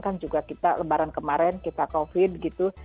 kan juga kita lebaran kemarin kita covid gitu